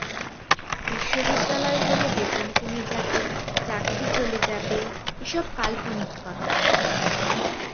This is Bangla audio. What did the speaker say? বিশ্ববিদ্যালয় হলে বেতন কমে যাবে, চাকরি চলে যাবে এসব কাল্পনিক কথা।